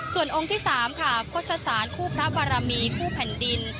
ส่วนองค์ที่๓ค่ะโฆษศาลคู่พระบารมีคู่แผ่นดิน